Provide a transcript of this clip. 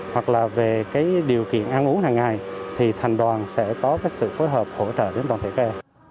hoặc là về điều kiện ăn uống hàng ngày thì thành đoàn sẽ có sự phối hợp hỗ trợ đến toàn thể kê